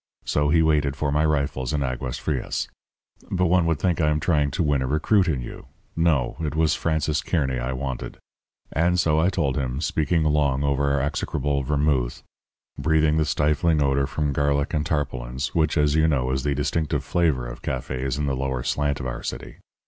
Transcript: So he waited for my rifles in Aguas Frias. But one would think I am trying to win a recruit in you! No; it was Francis Kearny I wanted. And so I told him, speaking long over our execrable vermouth, breathing the stifling odour from garlic and tarpaulins, which, as you know, is the distinctive flavour of cafés in the lower slant of our city.